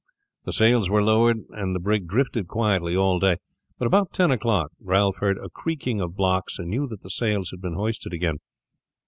The sails were lowered and the brig drifted quietly all day; but about ten o'clock Ralph heard a creaking of blocks, and knew that the sails had been hoisted again.